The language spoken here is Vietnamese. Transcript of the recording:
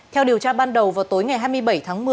theo điều tra ban đầu vào tối ngày hai mươi bảy tháng một mươi